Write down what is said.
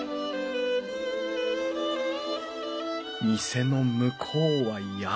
店の向こうは山。